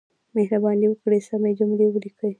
مهرباني وکړئ سمې جملې ولیکئ.